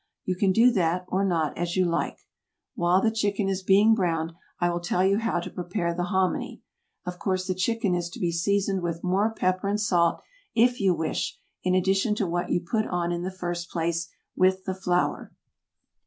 You can do that or not as you like. While the chicken is being browned I will tell you how to prepare the hominy. Of course the chicken is to be seasoned with more pepper and salt if you wish, in addition to what you put on in the first place with the flour.